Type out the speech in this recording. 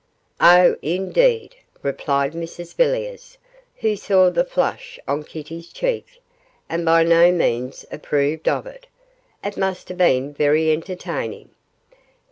'Oh, indeed,' replied Mrs Villiers, who saw the flush on Kitty's cheek, and by no means approved of it; 'it must have been very entertaining.